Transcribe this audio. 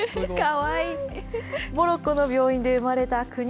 モロッコの病院で生まれた９人。